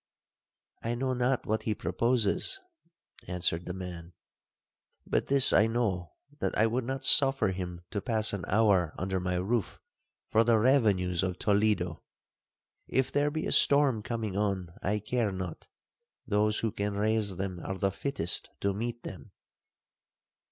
'I know not what he proposes,' answered the man, 'but this I know, that I would not suffer him to pass an hour under my roof for the revenues of Toledo. If there be a storm coming on, I care not—those who can raise them are the fittest to meet them!'